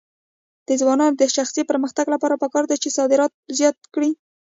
د ځوانانو د شخصي پرمختګ لپاره پکار ده چې صادرات زیات کړي.